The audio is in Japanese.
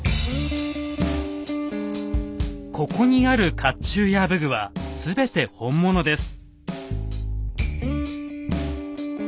ここにある甲冑や武具は全て本物です。